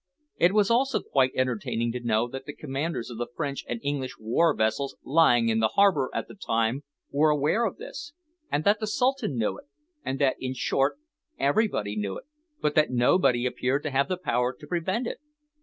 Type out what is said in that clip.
It was also quite entertaining to know that the commanders of the French and English war vessels lying in the harbour at the time were aware of this, and that the Sultan knew it, and that, in short, everybody knew it, but that nobody appeared to have the power to prevent it!